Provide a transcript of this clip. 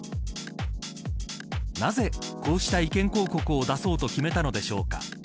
なぜ、こうした意見広告を出そうと決めたのでしょうか。